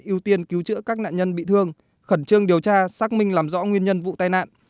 ưu tiên cứu chữa các nạn nhân bị thương khẩn trương điều tra xác minh làm rõ nguyên nhân vụ tai nạn